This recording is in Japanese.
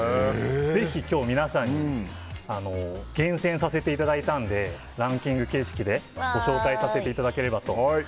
ぜひ今日、皆さんに厳選させていただいたのでランキング形式でご紹介させていただければと。